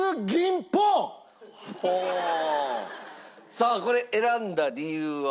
さあこれ選んだ理由は？